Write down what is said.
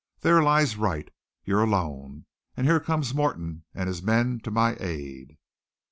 There lies Wright. You're alone. And here comes Morton and his men to my aid.